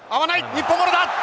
日本ボールだ！